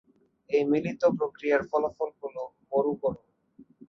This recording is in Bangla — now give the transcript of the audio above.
এই মিলিত প্রক্রিয়ার ফলাফল হলো মরুকরন।